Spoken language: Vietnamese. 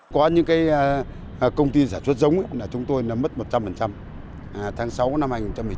có những công ty giả chốt giống chúng tôi mất một trăm linh tháng sáu năm hai nghìn một mươi chín